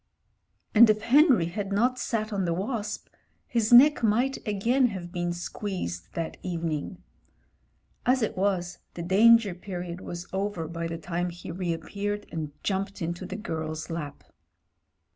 And if Henry had not sat on the wasp, his neck might again have been squeezed that evening. As it was, the danger period was over by the time he re appeared and jumped into the girl's lap.